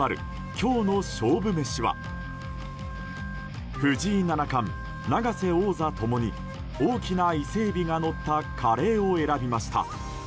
今日の勝負メシは藤井七冠、永瀬王座共に大きな伊勢エビがのったカレーを選びました。